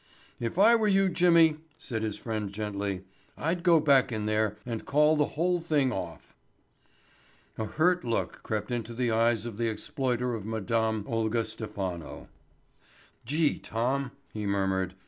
"If I were you, Jimmy," said his friend gently, "I'd go back in there and call the whole thing off." A hurt look crept into the eyes of the exploiter of Madame Olga Stephano. "Gee, Tom," he murmured.